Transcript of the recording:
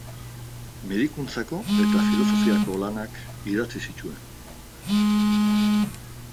Medikuntzako eta filosofiako lanak idatzi zituen.